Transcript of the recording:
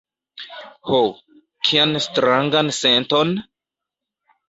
Ho, kian strangan senton!